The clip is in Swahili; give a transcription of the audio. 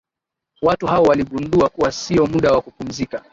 watu hao waligundua kuwa siyo muda wa kupumzika